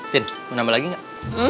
tin mau nambah lagi gak